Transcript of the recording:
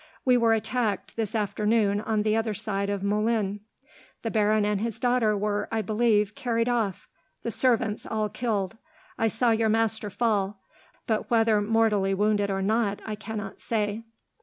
We were attacked, this afternoon, on the other side of Moulins. The baron and his daughter were, I believe, carried off; the servants all killed. I saw your master fall, but whether mortally wounded or not I cannot say.